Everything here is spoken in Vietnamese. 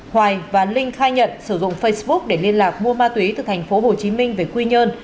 hoài và linh khai nhận sử dụng facebook để liên lạc mua ma túy từ thành phố hồ chí minh về quy nhơn